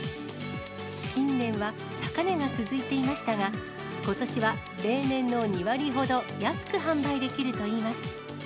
近年は高値が続いていましたが、ことしは例年の２割ほど安く販売できるといいます。